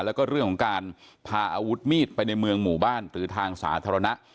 แล้วก็เรื่องของการพาอาวุธมีดไปในเมืองหมู่บ้านหรือทางสาธารณะ